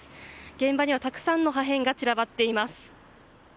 現場には、たくさんの破片が散らばっています。